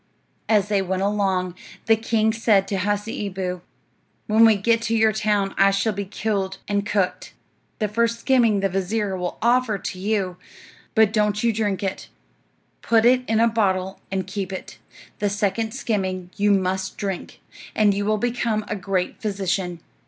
As they went along, the king said to Hasseeboo, "When we get to your town I shall be killed and cooked. The first skimming the vizir will offer to you, but don't you drink it; put it in a bottle and keep it. The second skimming you must drink, and you will become a great physician.